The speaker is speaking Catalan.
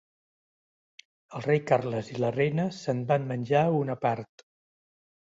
El rei Carles i la Reina se'n van menjar una part.